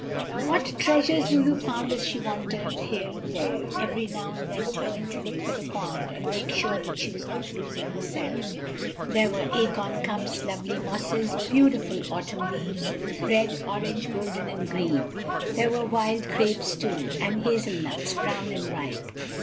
What treasures Lulu found as she wandered here and there, every now and then turning to look for the pond, and make sure that she was not losing herself, there were acorn cups, lovely mosses, beautiful autumn leaves red, orange, golden and green; there were wild grapes too, and hazel nuts, brown and ripe.